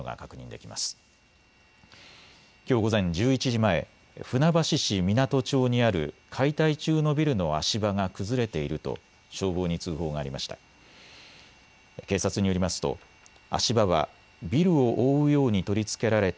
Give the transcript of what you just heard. きょう午前１１時前、船橋市湊町にある解体中のビルの足場が崩れていると消防に通報がありました。